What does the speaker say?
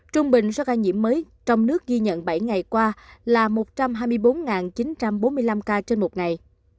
trung bình số ca nhiễm mới trong nước ghi nhận bảy ngày qua là một trăm hai mươi bốn chín trăm bốn mươi năm ca trên một ngày